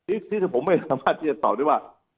ที่ผมไม่สามารถที่จะตอบได้ว่า